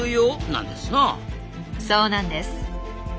そうなんです。